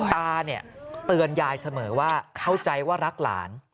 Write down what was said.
ตาเนี่ยเตือนยายเสมอว่าเข้าใจว่ารักหลาน